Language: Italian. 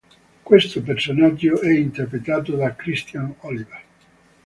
Questo personaggio è interpretato da Christian Oliver.